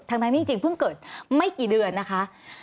ทั้งที่จริงเพิ่งเกิดไม่กี่เดือนนะคะ